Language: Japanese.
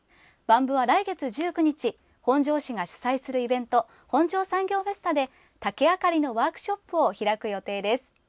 ＢＡＭ部は、来月１９日本庄市が主催するイベントほんじょう産業フェスタで竹あかりのワークショップを開く予定です。